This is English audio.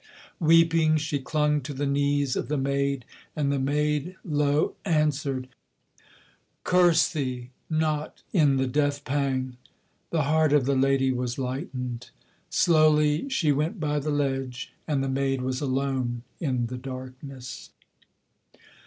Weeping she clung to the knees of the maid; and the maid low answered 'Curse thee! Not in the death pang!' The heart of the lady was lightened. Slowly she went by the ledge; and the maid was alone in the darkness.